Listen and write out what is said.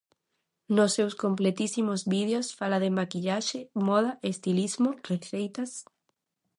Nos seus completísimos vídeos, fala de maquillaxe, moda, estilismo, receitas...